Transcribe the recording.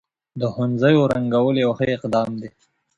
د ښوونځيو رنګول يو ښه اقدام دی.